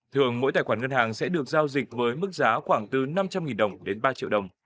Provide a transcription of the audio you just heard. thường mỗi tài khoản ngân hàng sẽ được giao dịch với mức giá khoảng từ năm trăm linh đồng đến ba triệu đồng